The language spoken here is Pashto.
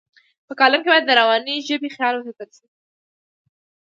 په کالم کې باید د روانې ژبې خیال وساتل شي.